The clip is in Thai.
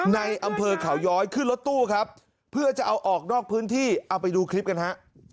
ในอำเภอเขาย้อยขึ้นรถตู้ครับเพื่อจะเอาออกนอกพื้นที่เอาไปดูคลิปกันฮะ